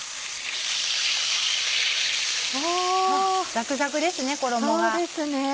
ザクザクですね衣が。